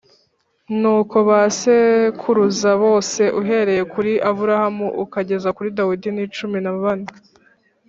Nuko ba sekuruza bose, uhereye kuri Aburahamu ukageza kuri Dawidi ni cumi na bane,